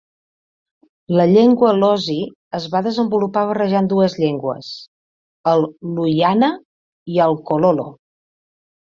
La llengua Lozi es va desenvolupar barrejant dues llengües: el Luyana i el Kololo.